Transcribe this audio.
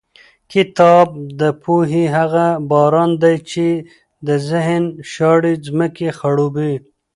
کتاب د پوهې هغه باران دی چې د ذهن شاړې ځمکې خړوبوي.